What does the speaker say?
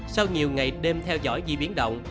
sau nhiều ngày đêm theo dõi di biến động